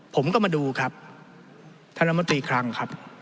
ผมก็มาดูครับธรรมตรีครั้งครับ